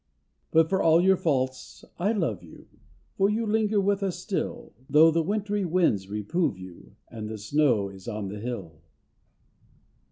But for all your faults I love you. For you linger with us still, Though the wintry winds reprove you And the snow is on the hill.